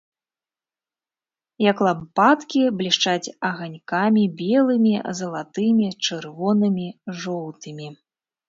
Як лампадкі, блішчаць аганькамі белымі, залатымі, чырвонымі, жоўтымі.